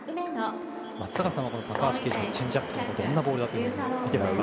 松坂さんは高橋奎二のチェンジアップどんなボールだと見ていますか？